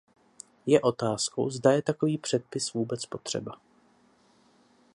Je otázkou, zda je takový předpis vůbec potřeba.